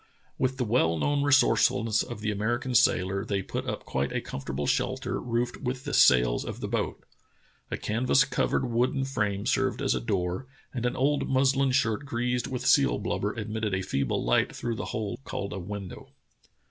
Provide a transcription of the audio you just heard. With the well known resourcefulness of the American sailor, they put up quite a comfortable shelter roofed with the sails of the boat. A canvas covered wooden frame served as a door, and an old muslin shirt greased with seal blub ber admitted a feeble light through the hole called a window.